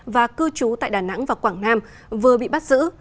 và cư trú tại đà nẵng và quảng nam vừa bị bắt giữ